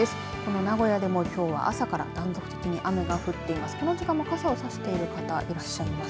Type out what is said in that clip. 名古屋でもきょうは朝から断続的に雨が降っています。